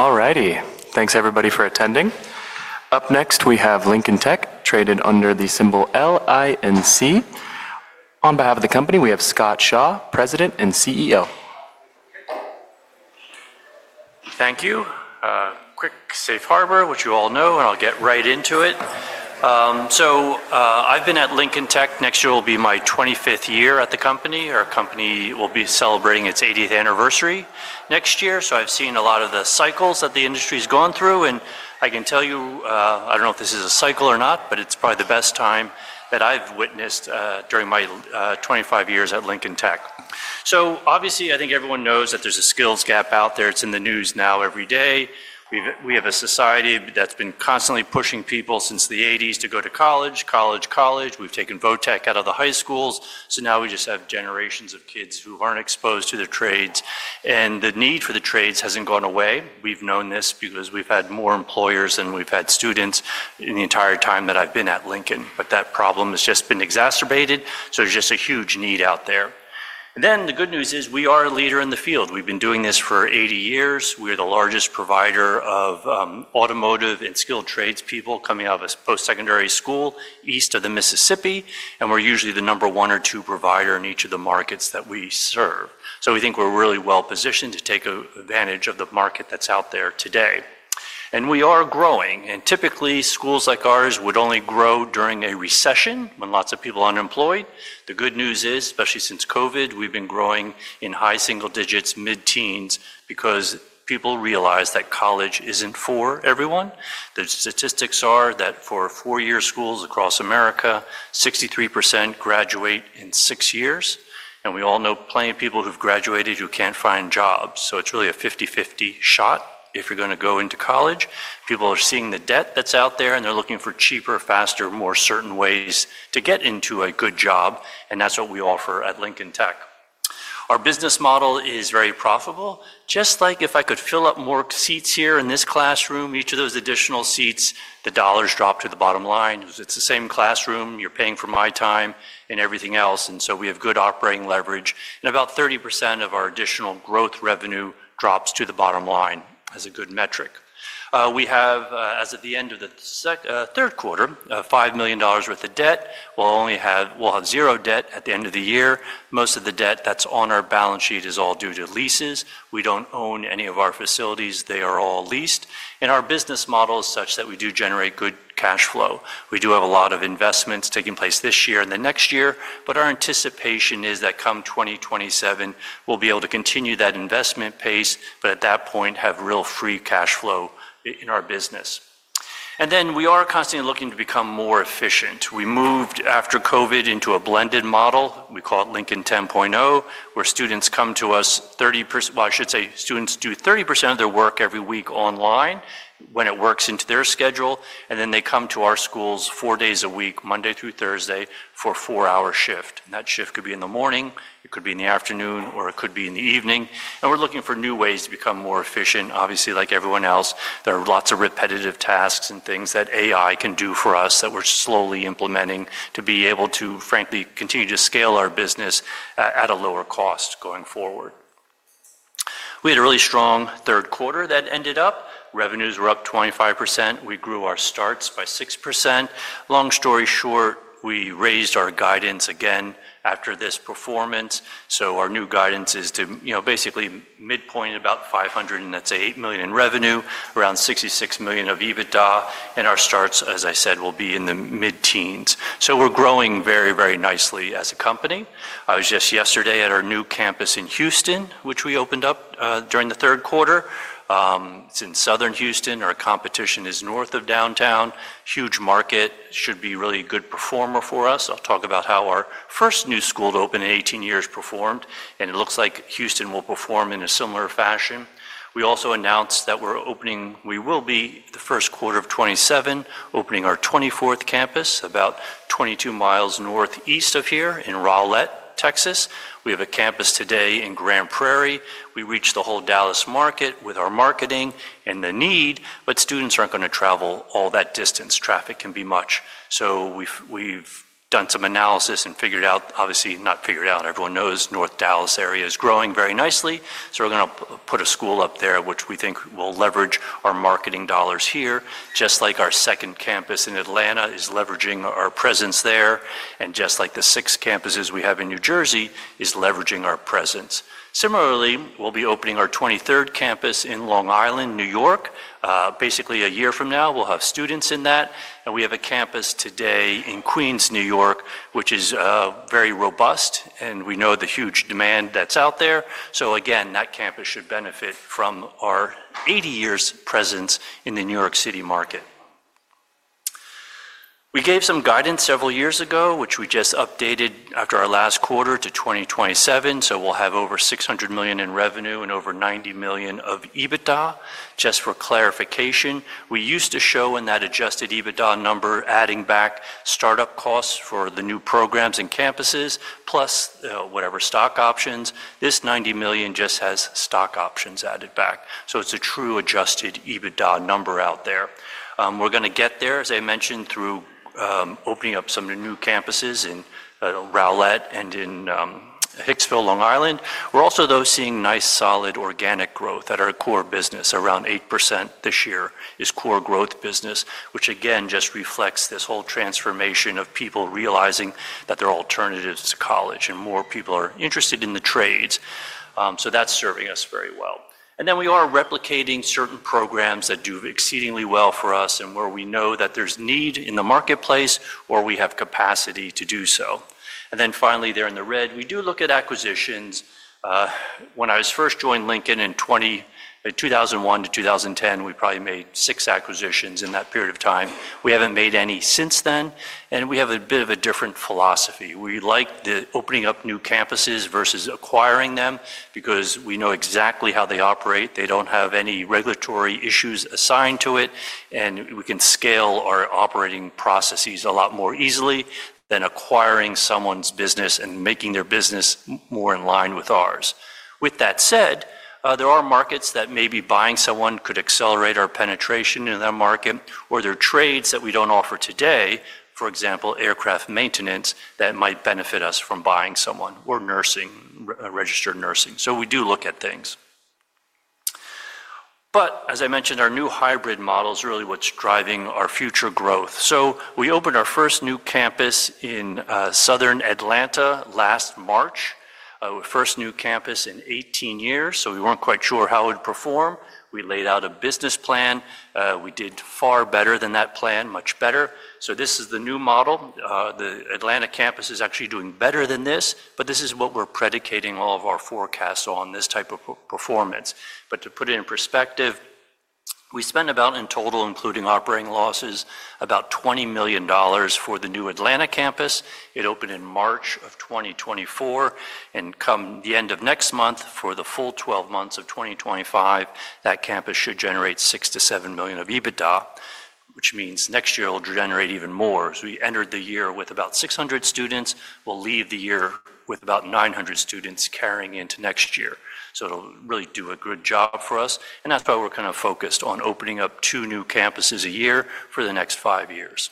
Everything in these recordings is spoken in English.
Alrighty, thanks everybody for attending. Up next, we have Lincoln Tech, traded under the symbol LINC. On behalf of the company, we have Scott Shaw, President and CEO. Thank you. Quick safe harbor, which you all know, and I'll get right into it. I've been at Lincoln Tech. Next year will be my 25th year at the company, or our company will be celebrating its 80th anniversary next year. I've seen a lot of the cycles that the industry's gone through, and I can tell you, I don't know if this is a cycle or not, but it's probably the best time that I've witnessed during my 25 years at Lincoln Tech. Obviously, I think everyone knows that there's a skills gap out there. It's in the news now every day. We have a society that's been constantly pushing people since the 1980s to go to college, college, college. We've taken vo-tech out of the high schools, so now we just have generations of kids who aren't exposed to the trades, and the need for the trades hasn't gone away. We've known this because we've had more employers than we've had students in the entire time that I've been at Lincoln, but that problem has just been exacerbated, so there's just a huge need out there. The good news is we are a leader in the field. We've been doing this for 80 years. We're the largest provider of automotive and skilled trades people coming out of post-secondary school east of the Mississippi, and we're usually the number one or two provider in each of the markets that we serve. We think we're really well positioned to take advantage of the market that's out there today. We are growing, and typically, schools like ours would only grow during a recession when lots of people are unemployed. The good news is, especially since COVID, we've been growing in high single digits, mid-teens, because people realize that college isn't for everyone. The statistics are that for four-year schools across America, 63% graduate in six years, and we all know plenty of people who've graduated who can't find jobs. It's really a 50/50 shot if you're going to go into college. People are seeing the debt that's out there, and they're looking for cheaper, faster, more certain ways to get into a good job, and that's what we offer at Lincoln Tech. Our business model is very profitable. Just like if I could fill up more seats here in this classroom, each of those additional seats, the dollars drop to the bottom line. It's the same classroom. You're paying for my time and everything else, and so we have good operating leverage, and about 30% of our additional growth revenue drops to the bottom line as a good metric. We have, as of the end of the third quarter, $5 million worth of debt. We'll have zero debt at the end of the year. Most of the debt that's on our Balance sheet is all due to leases. We don't own any of our facilities. They are all leased, and our business model is such that we do generate good Cash flow. We do have a lot of investments taking place this year and the next year, but our anticipation is that come 2027, we'll be able to continue that investment pace, but at that point, have real Free cash flow in our business. We are constantly looking to become more efficient. We moved after COVID into a blended model. We call it Lincoln 10.0, where students come to us 30%, well, I should say students do 30% of their work every week online when it works into their schedule, and then they come to our schools four days a week, Monday through Thursday, for a four-hour shift. That shift could be in the morning, it could be in the afternoon, or it could be in the evening. We are looking for new ways to become more efficient. Obviously, like everyone else, there are lots of repetitive tasks and things that AI can do for us that we are slowly implementing to be able to, frankly, continue to scale our business at a lower cost going forward. We had a really strong third quarter that ended up. Revenues were up 25%. We grew our starts by 6%. Long story short, we raised our guidance again after this performance. Our new guidance is to, you know, basically mid-point at about $500 million, and that's an $8 million in revenue, around $66 million of EBITDA, and our starts, as I said, will be in the mid-teens. We're growing very, very nicely as a company. I was just yesterday at our new campus in Houston, which we opened up during the third quarter. It's in southern Houston. Our competition is north of downtown. Huge market. Should be a really good performer for us. I'll talk about how our first new school to open in 18 years performed, and it looks like Houston will perform in a similar fashion. We also announced that we're opening, we will be the first quarter of 2027, opening our 24th campus about 22 miles northeast of here in Rowlett, Texas. We have a campus today in Grand Prairie. We reached the whole Dallas market with our marketing and the need, but students aren't going to travel all that distance. Traffic can be much. We have done some analysis and figured out, obviously, not figured out, everyone knows North Dallas area is growing very nicely, so we're going to put a school up there, which we think will leverage our marketing dollars here, just like our second campus in Atlanta is leveraging our presence there, and just like the six campuses we have in New Jersey is leveraging our presence. Similarly, we'll be opening our 23rd campus in Long Island, New York. Basically, a year from now, we'll have students in that, and we have a campus today in Queens, New York, which is very robust, and we know the huge demand that's out there. Again, that campus should benefit from our 80 years' presence in the New York City market. We gave some guidance several years ago, which we just updated after our last quarter to 2027, so we'll have over $600 million in revenue and over $90 million of EBITDA. Just for clarification, we used to show in that Adjusted EBITDA number adding back startup costs for the new programs and campuses, plus whatever stock options. This $90 million just has stock options added back, so it's a true Adjusted EBITDA number out there. We're going to get there, as I mentioned, through opening up some of the new campuses in Rowlett and in Hicksville, Long Island. We're also, though, seeing nice, solid organic growth at our core business. Around 8% this year is core growth business, which again just reflects this whole transformation of people realizing that there are alternatives to college and more people are interested in the trades, so that's serving us very well. We are replicating certain programs that do exceedingly well for us and where we know that there's need in the marketplace or we have capacity to do so. Finally, there in the red, we do look at acquisitions. When I first joined Lincoln in 2001 to 2010, we probably made six acquisitions in that period of time. We haven't made any since then, and we have a bit of a different philosophy. We like the opening up new campuses versus acquiring them because we know exactly how they operate. They don't have any regulatory issues assigned to it, and we can scale our operating processes a lot more easily than acquiring someone's business and making their business more in line with ours. With that said, there are markets that maybe buying someone could accelerate our penetration in that market, or there are trades that we don't offer today, for example, aircraft maintenance, that might benefit us from buying someone, or nursing, registered nursing. We do look at things. As I mentioned, our new hybrid model is really what's driving our future growth. We opened our first new campus in southern Atlanta last March. Our first new campus in 18 years, so we weren't quite sure how it would perform. We laid out a business plan. We did far better than that plan, much better. This is the new model. The Atlanta campus is actually doing better than this, but this is what we're predicating all of our forecasts on, this type of performance. To put it in perspective, we spent about, in total, including operating losses, about $20 million for the new Atlanta campus. It opened in March of 2024, and come the end of next month, for the full 12 months of 2025, that campus should generate $6 to $7 million of EBITDA, which means next year it'll generate even more. We entered the year with about 600 students. We'll leave the year with about 900 students carrying into next year. It'll really do a good job for us, and that's why we're kind of focused on opening up two new campuses a year for the next five years.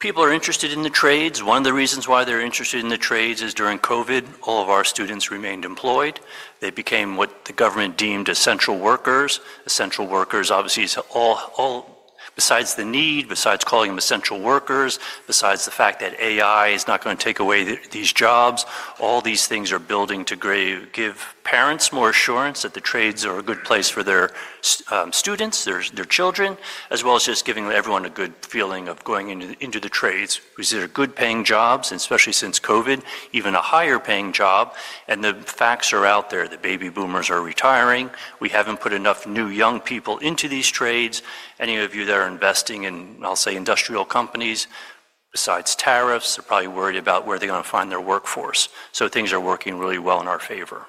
People are interested in the trades. One of the reasons why they're interested in the trades is during COVID, all of our students remained employed. They became what the government deemed essential workers. Essential workers, obviously, all besides the need, besides calling them essential workers, besides the fact that AI is not going to take away these jobs, all these things are building to give parents more assurance that the trades are a good place for their students, their children, as well as just giving everyone a good feeling of going into the trades, which are good-paying jobs, and especially since COVID, even a higher-paying job. The facts are out there. The baby boomers are retiring. We haven't put enough new young people into these trades. Any of you that are investing in, I'll say, industrial companies, besides tariffs, are probably worried about where they're going to find their workforce. Things are working really well in our favor.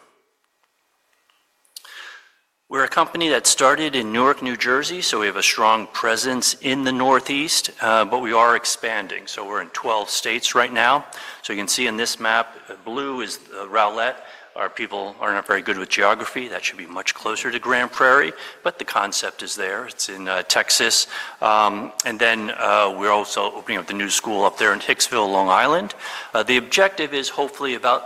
We're a company that started in Newark, New Jersey, so we have a strong presence in the northeast, but we are expanding. We're in 12 states right now. You can see in this map, blue is Rowlett. Our people are not very good with geography. That should be much closer to Grand Prairie, but the concept is there. It's in Texas. We're also opening up the new school up there in Hicksville, Long Island. The objective is hopefully about,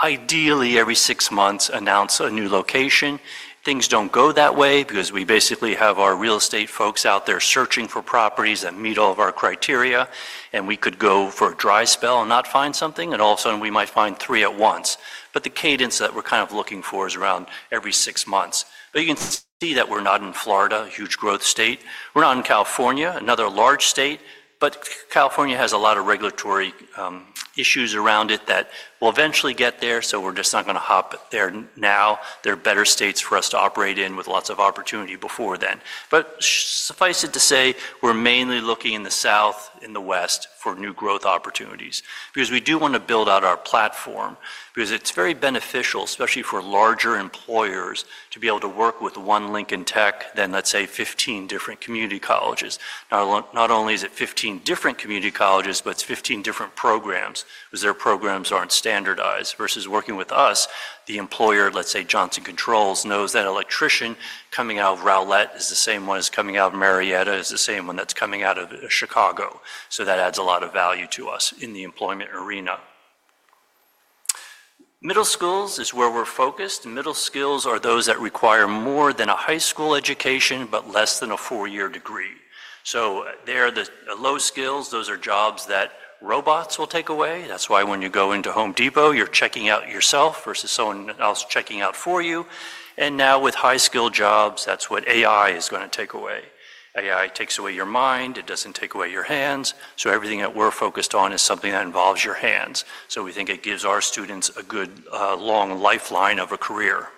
ideally, every six months, announce a new location. Things don't go that way because we basically have our real estate folks out there searching for properties that meet all of our criteria, and we could go for a dry spell and not find something, and all of a sudden, we might find three at once. The cadence that we're kind of looking for is around every six months. You can see that we're not in Florida, a huge growth state. We're not in California, another large state, but California has a lot of regulatory issues around it that we'll eventually get there, so we're just not going to hop there now. There are better states for us to operate in with lots of opportunity before then. Suffice it to say, we're mainly looking in the south, in the west, for new growth opportunities because we do want to build out our platform because it's very beneficial, especially for larger employers, to be able to work with one Lincoln Tech than, let's say, 15 different community colleges. Not only is it 15 different community colleges, but it's 15 different programs because their programs aren't standardized. Versus working with us, the employer, let's say, Johnson Controls knows that an electrician coming out of Rowlett is the same one as coming out of Marietta, is the same one that's coming out of Chicago. That adds a lot of value to us in the employment arena. Middle schools is where we're focused. Middle skills are those that require more than a high school education, but less than a four-year degree. There are the low skills. Those are jobs that robots will take away. That's why when you go into Home Depot, you're checking out yourself versus someone else checking out for you. Now with high-skill jobs, that's what AI is going to take away. AI takes away your mind. It doesn't take away your hands. Everything that we're focused on is something that involves your hands. We think it gives our students a good, long lifeline of a career.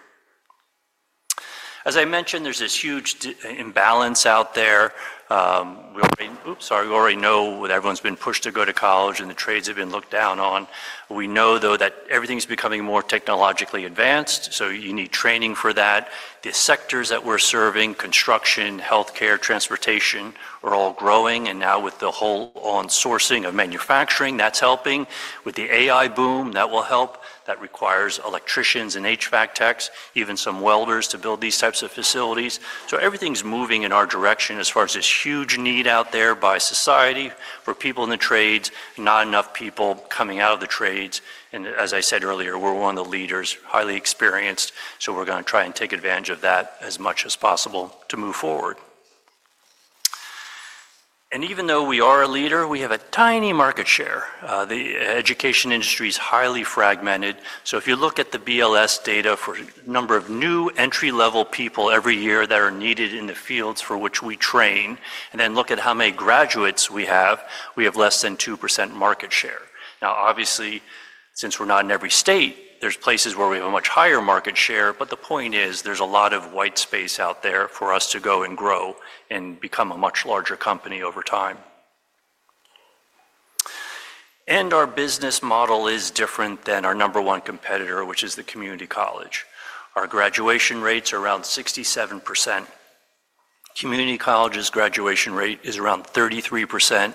As I mentioned, there's this huge imbalance out there. We already know that everyone's been pushed to go to college and the trades have been looked down on. We know, though, that everything's becoming more technologically advanced, so you need training for that. The sectors that we're serving, construction, healthcare, transportation, are all growing, and now with the whole onsourcing of manufacturing, that's helping. With the AI boom, that will help. That requires electricians and HVAC techs, even some welders, to build these types of facilities. Everything's moving in our direction as far as this huge need out there by society for people in the trades, not enough people coming out of the trades. As I said earlier, we're one of the leaders, highly experienced, so we're going to try and take advantage of that as much as possible to move forward. Even though we are a leader, we have a tiny market share. The education industry is highly fragmented. If you look at the BLS data for the number of new entry-level people every year that are needed in the fields for which we train, and then look at how many graduates we have, we have less than 2% market share. Obviously, since we're not in every state, there are places where we have a much higher market share, but the point is there's a lot of white space out there for us to go and grow and become a much larger company over time. Our business model is different than our number one competitor, which is the community college. Our graduation rate's around 67%. Community colleges' graduation rate is around 33%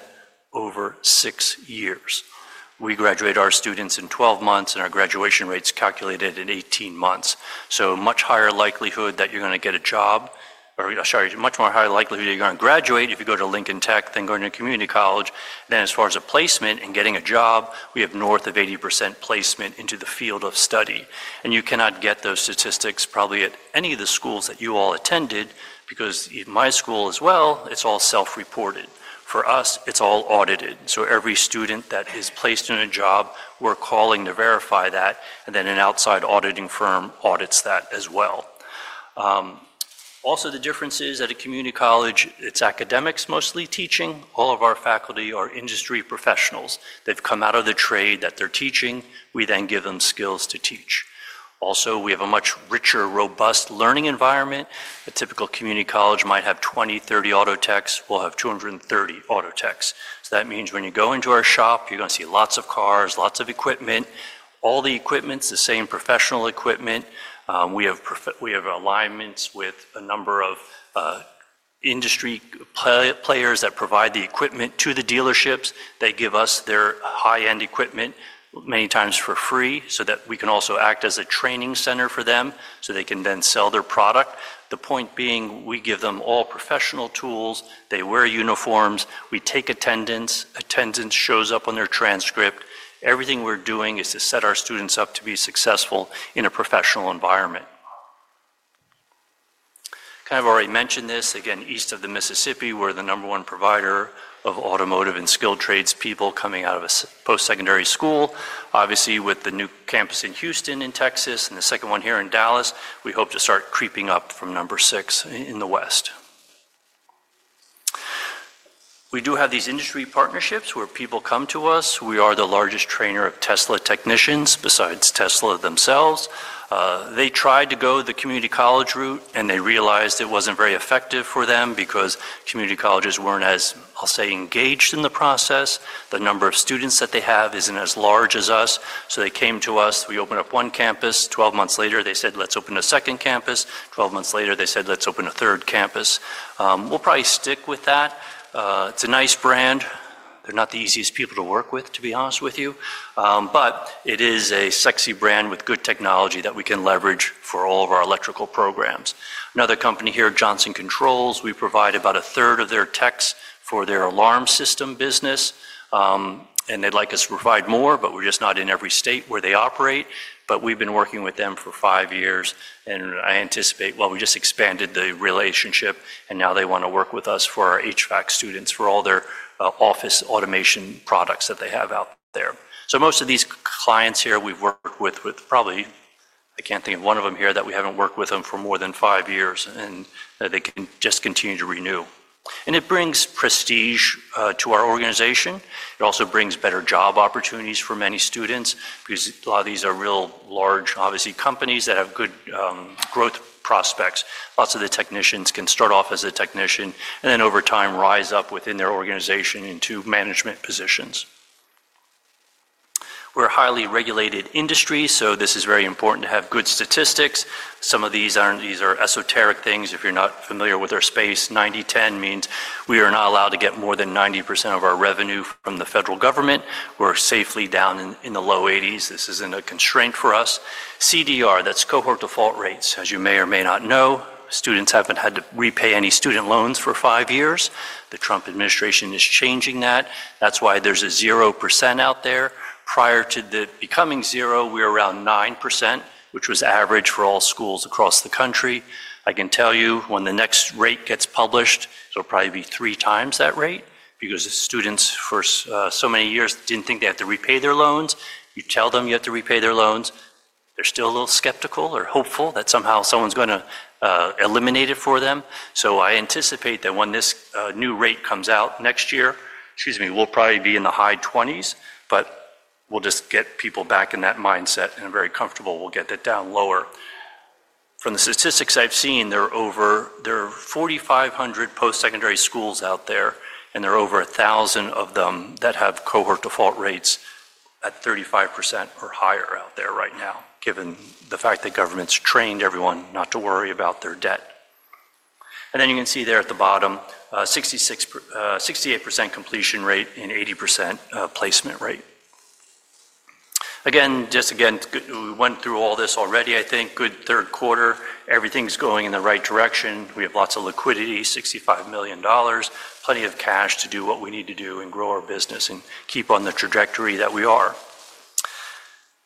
over six years. We graduate our students in 12 months, and our graduation rate's calculated in 18 months. Much higher likelihood that you're going to get a job, or sorry, much more higher likelihood that you're going to graduate if you go to Lincoln Tech than going to a community college. As far as placement and getting a job, we have north of 80% placement into the field of study. You cannot get those statistics probably at any of the schools that you all attended because at my school as well, it's all self-reported. For us, it's all audited. Every student that is placed in a job, we're calling to verify that, and then an outside auditing firm audits that as well. Also, the difference is at a community college, it's academics mostly teaching. All of our faculty are industry professionals. They've come out of the trade that they're teaching. We then give them skills to teach. Also, we have a much richer, robust learning environment. A typical community college might have 20, 30 auto techs. We'll have 230 auto techs. That means when you go into our shop, you're going to see lots of cars, lots of equipment. All the equipment's the same professional equipment. We have alignments with a number of industry players that provide the equipment to the dealerships. They give us their high-end equipment many times for free so that we can also act as a training center for them so they can then sell their product. The point being, we give them all professional tools. They wear uniforms. We take attendance. Attendance shows up on their transcript. Everything we're doing is to set our students up to be successful in a professional environment. Kind of already mentioned this. Again, east of the Mississippi, we're the number one provider of automotive and skilled trades people coming out of post-secondary school. Obviously, with the new campus in Houston in Texas and the second one here in Dallas, we hope to start creeping up from number six in the west. We do have these industry partnerships where people come to us. We are the largest trainer of Tesla technicians besides Tesla themselves. They tried to go the community college route, and they realized it wasn't very effective for them because community colleges weren't, as I'll say, engaged in the process. The number of students that they have isn't as large as us. They came to us. We opened up one campus. Twelve months later, they said, "Let's open a second campus." Twelve months later, they said, "Let's open a third campus." We'll probably stick with that. It's a nice brand. They're not the easiest people to work with, to be honest with you, but it is a sexy brand with good technology that we can leverage for all of our electrical programs. Another company here, Johnson Controls. We provide about a third of their techs for their alarm system business, and they'd like us to provide more, but we're just not in every state where they operate. We've been working with them for five years, and I anticipate, we just expanded the relationship, and now they want to work with us for our HVAC students, for all their office automation products that they have out there. Most of these clients here we've worked with, with probably, I can't think of one of them here that we haven't worked with them for more than five years, and they just continue to renew. It brings prestige to our organization. It also brings better job opportunities for many students because a lot of these are real large, obviously, companies that have good growth prospects. Lots of the technicians can start off as a technician and then, over time, rise up within their organization into management positions. We're a highly regulated industry, so this is very important to have good statistics. Some of these are esoteric things. If you're not familiar with our space, 90-10 means we are not allowed to get more than 90% of our revenue from the federal government. We're safely down in the low 80%. This isn't a constraint for us. CDR, that's cohort default rates, as you may or may not know. Students haven't had to repay any student loans for five years. The Trump administration is changing that. That's why there's a 0% out there. Prior to it becoming 0%, we were around 9%, which was average for all schools across the country. I can tell you when the next rate gets published, it'll probably be three times that rate because the students for so many years didn't think they had to repay their loans. You tell them you have to repay their loans, they're still a little skeptical or hopeful that somehow someone's going to eliminate it for them. I anticipate that when this new rate comes out next year, excuse me, we'll probably be in the high 20s, but we'll just get people back in that mindset, and I'm very comfortable we'll get that down lower. From the statistics I've seen, there are 4,500 post-secondary schools out there, and there are over a thousand of them that have cohort default rates at 35% or higher out there right now, given the fact that government's trained everyone not to worry about their debt. You can see there at the bottom, 68% completion rate and 80% placement rate. Again, just again, we went through all this already, I think. Good third quarter. Everything's going in the right direction. We have lots of liquidity, $65 million, plenty of cash to do what we need to do and grow our business and keep on the trajectory that we are.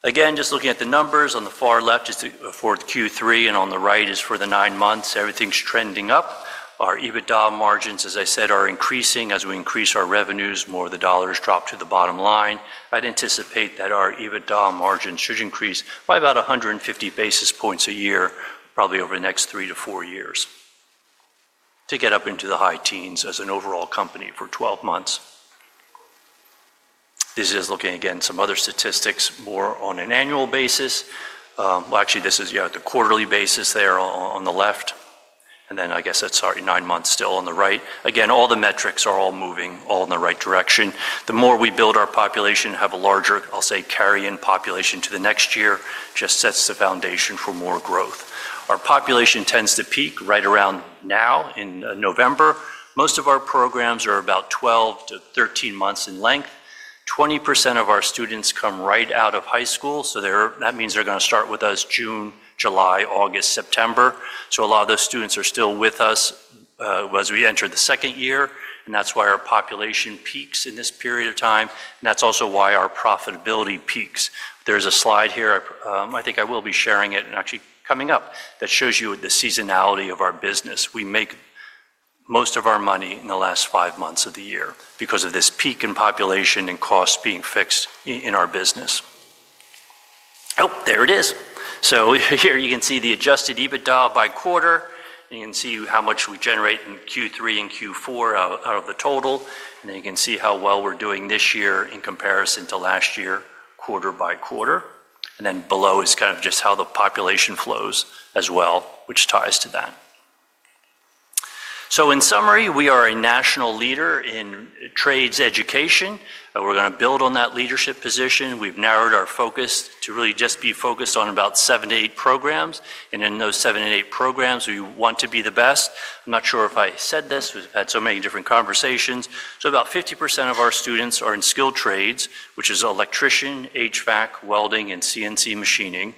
Again, just looking at the numbers on the far left is for Q3, and on the right is for the nine months. Everything's trending up. Our EBITDA margins, as I said, are increasing. As we increase our revenues, more of the dollars drop to the bottom line. I'd anticipate that our EBITDA margin should increase by about 150 basis points a year, probably over the next three to four years, to get up into the high teens as an overall company for 12 months. This is looking again at some other statistics more on an annual basis. Actually, this is, yeah, the quarterly basis there on the left. And then I guess that's, sorry, nine months still on the right. Again, all the metrics are all moving in the right direction. The more we build our population, have a larger, I'll say, carry-in population to the next year, just sets the foundation for more growth. Our population tends to peak right around now in November. Most of our programs are about 12 to 13 months in length. 20% of our students come right out of high school, so that means they're going to start with us June, July, August, September. A lot of those students are still with us as we enter the second year, and that's why our population peaks in this period of time, and that's also why our profitability peaks. There's a slide here. I think I will be sharing it and actually coming up that shows you the seasonality of our business. We make most of our money in the last five months of the year because of this peak in population and costs being fixed in our business. Oh, there it is. Here you can see the Adjusted EBITDA by quarter. You can see how much we generate in Q3 and Q4 out of the total, and you can see how well we're doing this year in comparison to last year, quarter by quarter. Below is kind of just how the population flows as well, which ties to that. In summary, we are a national leader in trades education. We're going to build on that leadership position. We've narrowed our focus to really just be focused on about seven to eight programs, and in those seven to eight programs, we want to be the best. I'm not sure if I said this. We've had so many different conversations. About 50% of our students are in skilled trades, which is electrician, HVAC, welding, and CNC machining.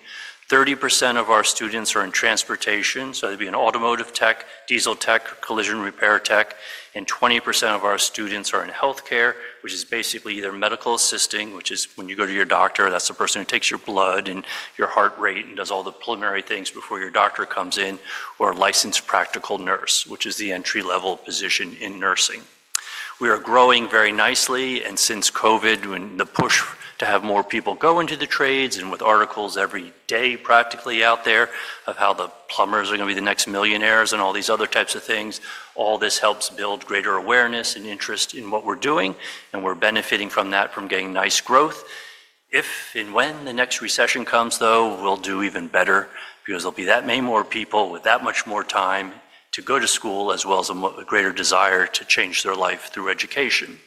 30% of our students are in transportation, so that'd be in automotive tech, diesel tech, collision repair tech, and 20% of our students are in healthcare, which is basically either medical assisting, which is when you go to your doctor, that's the person who takes your blood and your heart rate and does all the preliminary things before your doctor comes in, or a licensed practical nurse, which is the entry-level position in nursing. We are growing very nicely, and since COVID, when the push to have more people go into the trades and with articles every day practically out there of how the plumbers are going to be the next millionaires and all these other types of things, all this helps build greater awareness and interest in what we're doing, and we're benefiting from that, from getting nice growth. If and when the next recession comes, though, we'll do even better because there'll be that many more people with that much more time to go to school as well as a greater desire to change their life through education.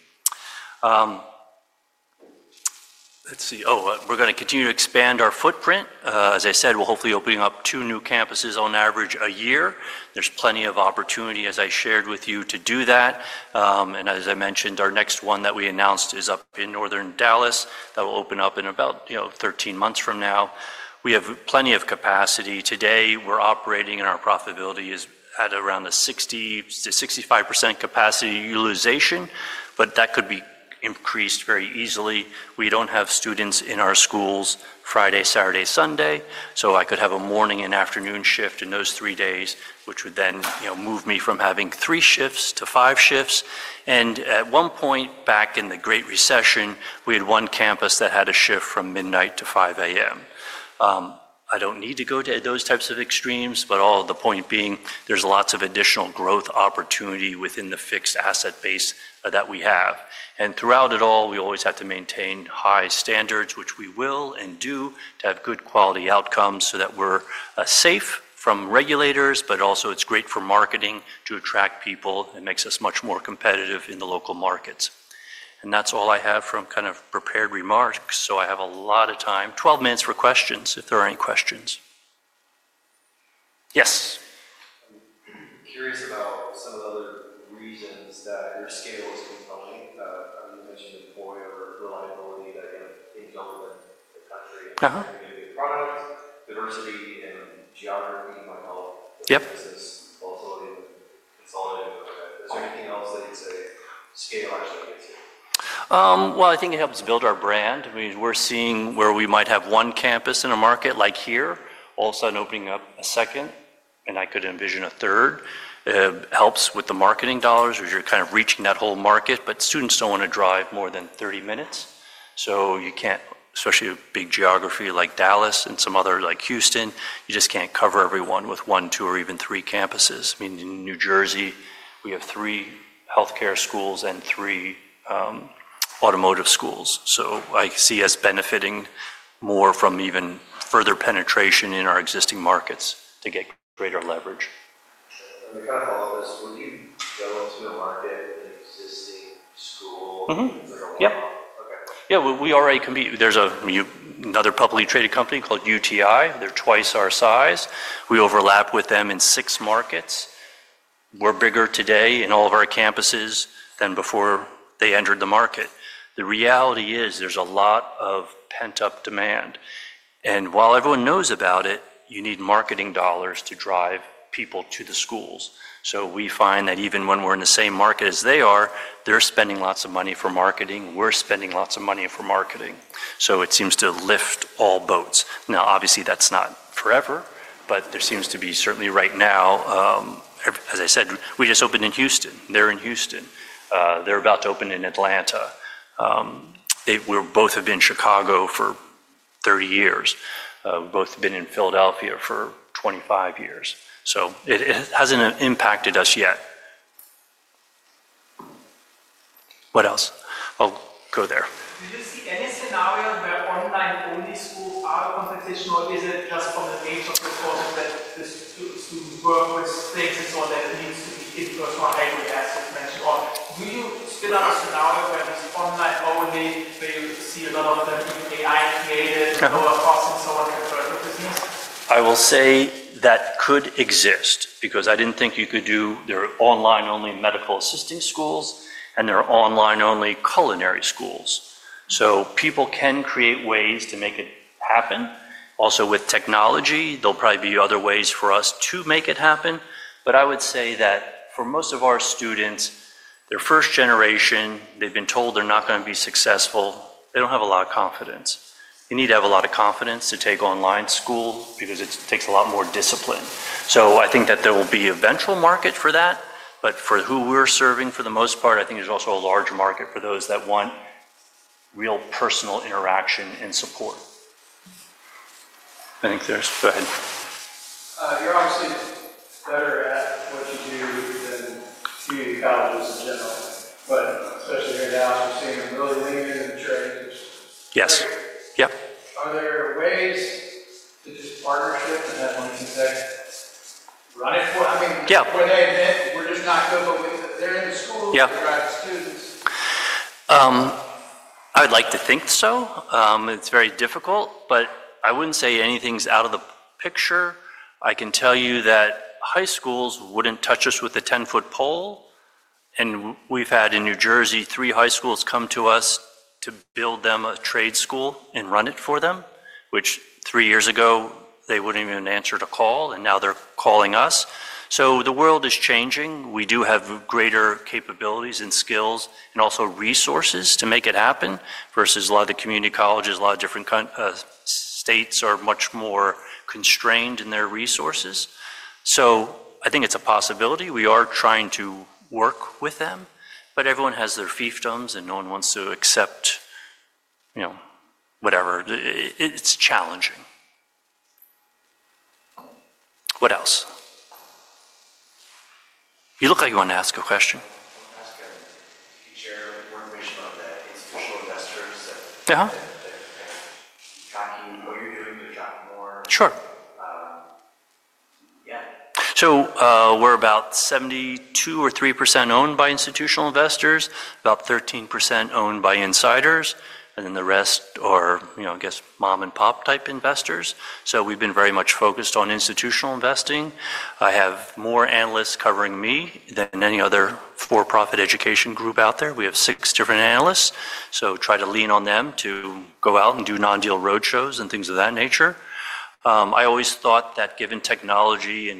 Let's see. Oh, we're going to continue to expand our footprint. As I said, we'll hopefully be opening up two new campuses on average a year. There's plenty of opportunity, as I shared with you, to do that. As I mentioned, our next one that we announced is up in northern Dallas that will open up in about, you know, 13 months from now. We have plenty of capacity today. We're operating, and our profitability is at around a 60 to 65% capacity utilization, but that could be increased very easily. We don't have students in our schools Friday, Saturday, Sunday, so I could have a morning and afternoon shift in those three days, which would then, you know, move me from having three shifts to five shifts. At one point back in the Great Recession, we had one campus that had a shift from midnight to 5:00 A.M. I don't need to go to those types of extremes, but all the point being, there's lots of additional growth opportunity within the fixed asset base that we have. Throughout it all, we always have to maintain high standards, which we will and do to have good quality outcomes so that we're safe from regulators, but also it's great for marketing to attract people. It makes us much more competitive in the local markets. That's all I have from kind of prepared remarks. I have a lot of time. Twelve minutes for questions if there are any questions. Yes. I'm curious about some of the other reasons that your scale is compelling. You mentioned employer reliability that kind of encompasses the country, and maybe product diversity and geography might help the business volatility and consolidate over there. Is there anything else that you'd say scale actually gets you? I think it helps build our brand. I mean, we're seeing where we might have one campus in a market like here, all of a sudden opening up a second, and I could envision a third. It helps with the marketing dollars because you're kind of reaching that whole market, but students don't want to drive more than 30 minutes. You can't, especially a big geography like Dallas and some other like Houston, you just can't cover everyone with one, two, or even three campuses. I mean, in New Jersey, we have three healthcare schools and three automotive schools. I see us benefiting more from even further penetration in our existing markets to get greater leverage. Kind of all of this, when you go into a market, an existing school. Like a lot of. Yeah. Yeah, we already compete. There's another publicly traded company called UTI. They're twice our size. We overlap with them in six markets. We're bigger today in all of our campuses than before they entered the market. The reality is there's a lot of pent-up demand. While everyone knows about it, you need marketing dollars to drive people to the schools. We find that even when we're in the same market as they are, they're spending lots of money for marketing. We're spending lots of money for marketing. It seems to lift all boats. Obviously, that's not forever, but there seems to be certainly right now, as I said, we just opened in Houston. They're in Houston. They're about to open in Atlanta. We've both been in Chicago for 30 years. We've both been in Philadelphia for 25 years. It hasn't impacted us yet. What else? I'll go there. Do you see any scenarios where online-only schools are competition, or is it just from the nature of the process that the students work with things and so on that needs to be in-person or hybrid, as you mentioned? Or do you spit out a scenario where it's online-only, where you see a lot of them being AI-created or across and so on compared to business? I will say that could exist because I didn't think you could do there are online-only medical assisting schools and there are online-only culinary schools. People can create ways to make it happen. Also, with technology, there'll probably be other ways for us to make it happen. I would say that for most of our students, they're first generation. They've been told they're not going to be successful. They don't have a lot of confidence. You need to have a lot of confidence to take online school because it takes a lot more discipline. I think that there will be a venture market for that. For who we're serving for the most part, I think there's also a large market for those that want real personal interaction and support. I think there's—go ahead. You're obviously better at what you do than community colleges in general, but especially here now, we're seeing them really leaning into the trades. Yes. Yeah. Are there ways to just partnership and have one consecutive run it for? I mean, when they admit, we're just not good, but they're in the schools to drive students. I would like to think so. It's very difficult, but I wouldn't say anything's out of the picture. I can tell you that high schools wouldn't touch us with a 10-foot pole. We've had in New Jersey three high schools come to us to build them a trade school and run it for them, which three years ago they wouldn't even answer a call, and now they're calling us. The world is changing. We do have greater capabilities and skills and also resources to make it happen versus a lot of the community colleges. A lot of different states are much more constrained in their resources. I think it's a possibility. We are trying to work with them, but everyone has their fiefdoms, and no one wants to accept, you know, whatever. It's challenging. What else? You look like you want to ask a question. I want to ask you, chair, one question about the institutional investors that are tracking what you're doing to attract more. Sure. Yeah. We're about 72% or 73% owned by institutional investors, about 13% owned by insiders, and then the rest are, you know, I guess mom-and-pop type investors. We've been very much focused on institutional investing. I have more analysts covering me than any other for-profit education group out there. We have six different analysts, so try to lean on them to go out and do non-deal roadshows and things of that nature. I always thought that given technology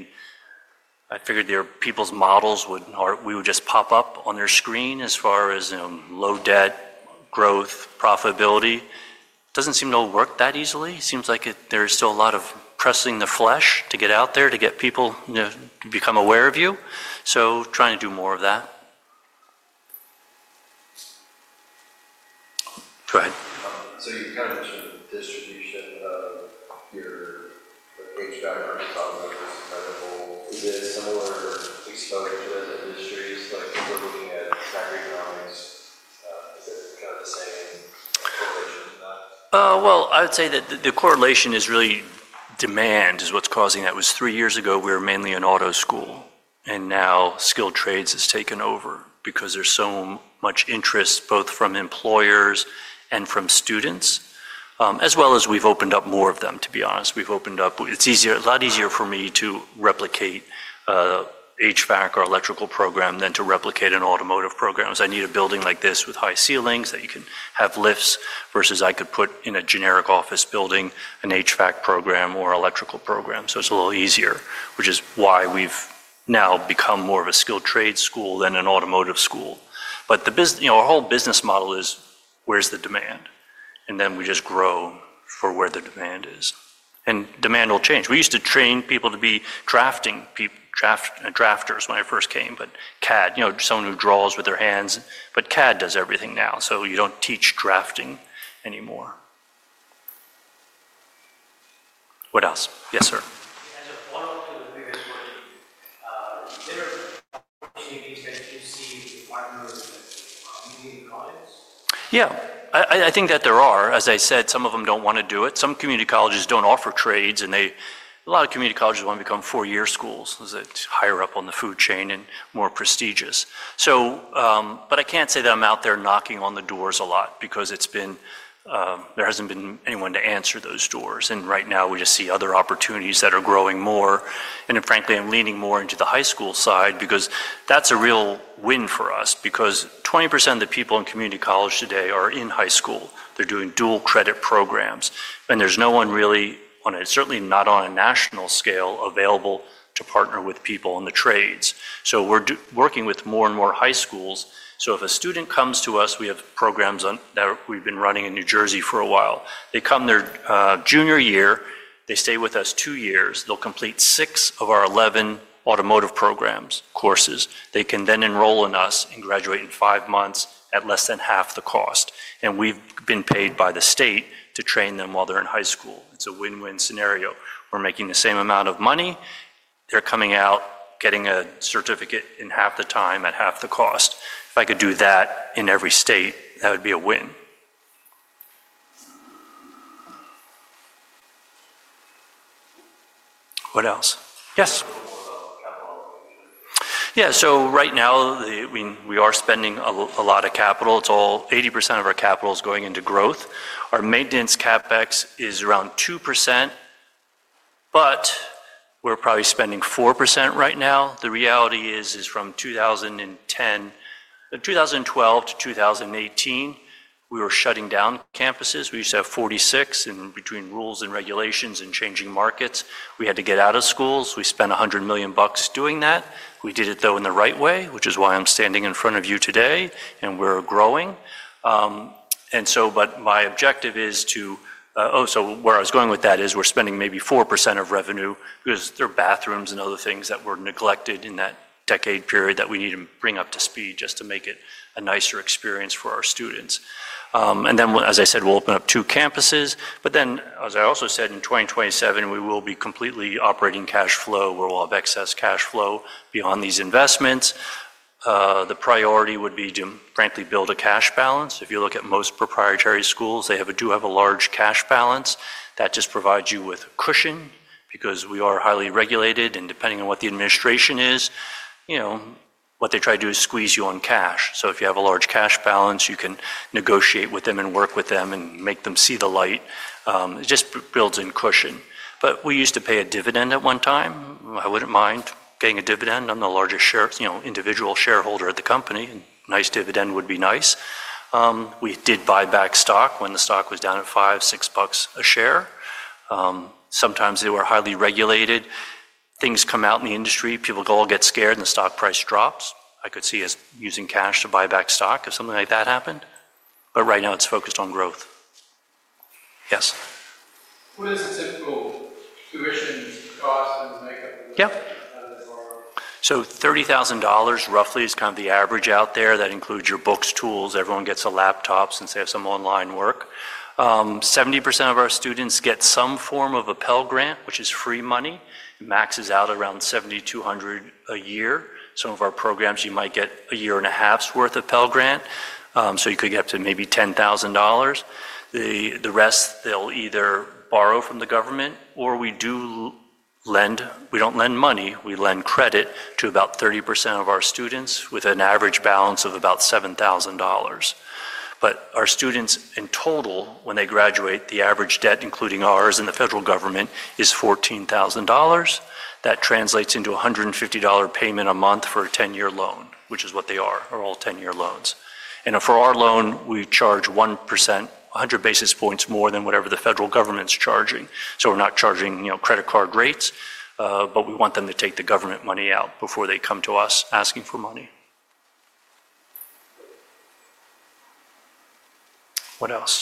and I figured their people's models would—we would just pop up on their screen as far as low debt, growth, profitability. It does not seem to work that easily. It seems like there is still a lot of pressing the flesh to get out there to get people to become aware of you. Trying to do more of that. Go ahead You kind of mentioned the distribution of your HVAC, property costs, rentals, rentables. Is it similar exposure to those industries? Like if we're looking at snack economics, is it kind of the same correlation to that? I would say that the correlation is really demand is what's causing that. It was three years ago we were mainly an auto school, and now skilled trades has taken over because there's so much interest both from employers and from students, as well as we've opened up more of them, to be honest. We've opened up—it's a lot easier for me to replicate HVAC or electrical program than to replicate an automotive program. I need a building like this with high ceilings that you can have lifts versus I could put in a generic office building an HVAC program or electrical program. It's a little easier, which is why we've now become more of a skilled trade school than an automotive school. The business, you know, our whole business model is where's the demand, and then we just grow for where the demand is. Demand will change. We used to train people to be drafters when I first came, but CAD, you know, someone who draws with their hands. CAD does everything now, so you don't teach drafting anymore. What else? Yes, sir. As one of the biggest worries, is there opportunities that you see partners in community colleges? Yeah. I think that there are. As I said, some of them don't want to do it. Some community colleges don't offer trades, and a lot of community colleges want to become four-year schools as it's higher up on the food chain and more prestigious.I can't say that I'm out there knocking on the doors a lot because there hasn't been anyone to answer those doors. Right now, we just see other opportunities that are growing more. Frankly, I'm leaning more into the high school side because that's a real win for us because 20% of the people in community college today are in high school. They're doing dual credit programs, and there's no one really on a—certainly not on a national scale available to partner with people in the trades. We're working with more and more high schools. If a student comes to us, we have programs that we've been running in New Jersey for a while. They come their junior year, they stay with us two years, they'll complete six of our 11 automotive programs, courses. They can then enroll in us and graduate in five months at less than half the cost. We've been paid by the state to train them while they're in high school. It's a win-win scenario. We're making the same amount of money. They're coming out, getting a certificate in half the time at half the cost. If I could do that in every state, that would be a win. What else? Yes. Capital allocation. Right now, I mean, we are spending a lot of capital. It's all—80% of our capital is going into growth. Our maintenance CapEx is around 2%, but we're probably spending 4% right now. The reality is, is from 2012 to 2018, we were shutting down campuses. We used to have 46. Between rules and regulations and changing markets, we had to get out of schools. We spent $100 million doing that. We did it, though, in the right way, which is why I'm standing in front of you today, and we're growing. My objective is to—oh, so where I was going with that is we're spending maybe 4% of revenue because there are bathrooms and other things that were neglected in that decade period that we need to bring up to speed just to make it a nicer experience for our students. As I said, we'll open up two campuses. As I also said, in 2027, we will be completely operating cash flow. We'll have excess cash flow beyond these investments. The priority would be to, frankly, build a cash balance. If you look at most proprietary schools, they do have a large cash balance. That just provides you with cushion because we are highly regulated. Depending on what the administration is, you know, what they try to do is squeeze you on cash. If you have a large cash balance, you can negotiate with them and work with them and make them see the light. It just builds in cushion. We used to pay a dividend at one time. I wouldn't mind paying a dividend. I'm the largest, you know, individual shareholder at the company, and nice dividend would be nice. We did buy back stock when the stock was down at $5, $6 a share. Sometimes they were highly regulated. Things come out in the industry. People all get scared, and the stock price drops. I could see using cash to buy back stock if something like that happened. Right now, it's focused on growth. Yes. What is a typical tuition cost and makeup of the—yeah. $30,000 roughly is kind of the average out there. That includes your books, tools. Everyone gets a laptop since they have some online work. 70% of our students get some form of a Pell Grant, which is free money. It maxes out around $7,200 a year. Some of our programs, you might get a year and a half's worth of Pell Grant. You could get up to maybe $10,000. The rest, they'll either borrow from the government or we do lend. We don't lend money. We lend credit to about 30% of our students with an average balance of about $7,000. Our students in total, when they graduate, the average debt, including ours and the federal government, is $14,000. That translates into a $150 payment a month for a 10-year loan, which is what they are. They're all 10-year loans. For our loan, we charge 1%, 100 basis points more than whatever the federal government's charging. We're not charging, you know, credit card rates, but we want them to take the government money out before they come to us asking for money. What else?